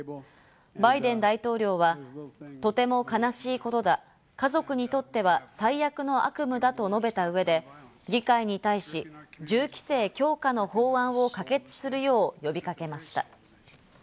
バイデン大統領はとても悲しいことだ、家族にとっては最悪の悪夢だと述べた上で、議会に対し、銃規制強化の法案を可決するよう、呼びかけました。